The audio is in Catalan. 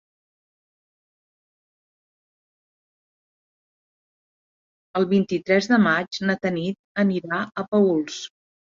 El vint-i-tres de maig na Tanit anirà a Paüls.